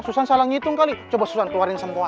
susan salah ngitung kali coba susan keluarin semua